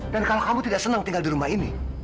dan kalau kamu tidak senang tinggal di rumah ini